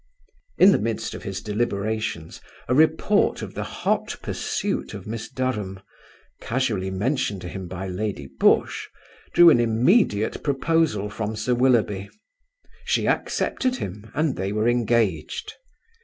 In the midst of his deliberations, a report of the hot pursuit of Miss Durham, casually mentioned to him by Lady Busshe, drew an immediate proposal from Sir Willoughby. She accepted him, and they were engaged.